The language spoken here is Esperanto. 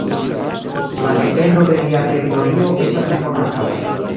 La etendo de lia teritorio estas nekonata.